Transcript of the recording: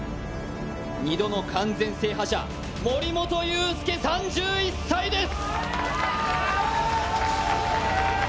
２度の完全制覇者、森本裕介３１歳です。